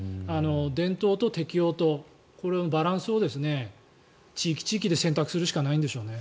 伝統と適応と、これのバランスを地域地域で選択するしかないんでしょうね。